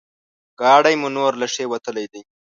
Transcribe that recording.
ګاډی مو نور له ښې وتلی دی.